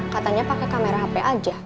katanya pakai kamera hp aja